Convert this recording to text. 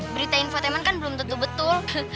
berita infotainment kan belum tentu betul